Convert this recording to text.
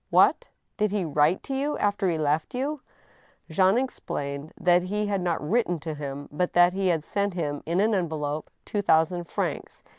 " What ! did he write to you after he left you ?" Jean explained that he had not written to him, but that he had sent him, in an envelope, two thousand francs.